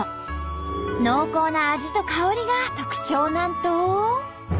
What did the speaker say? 濃厚な味と香りが特徴なんと！